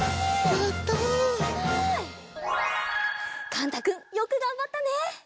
かんたくんよくがんばったね！